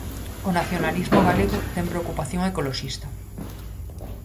O nacionalismo galego ten preocupación ecoloxista?